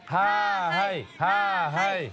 ห้าให้ห้าให้